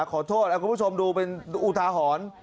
ขอโทษแล้วคุณผู้ชมดูเป็นอุทาหอน